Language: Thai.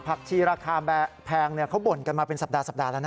ผักชี้ราคาแมกแพงเนี่ยเค้าบ่นกันมาเป็นสัปดาห์แล้วนะ